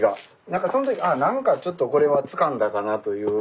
何かその時何かちょっとこれはつかんだかなという。